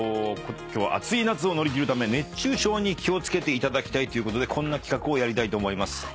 今日は暑い夏を乗り切るため熱中症に気を付けていただきたいということでこんな企画をやりたいと思います。